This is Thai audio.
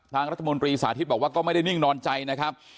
ทางรัฐมนตรีสาธิตบอกว่าก็ไม่ได้นิ่งนอนใจนะครับ